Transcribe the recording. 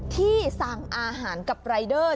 ที่สั่งอาหารกับรายเดอร์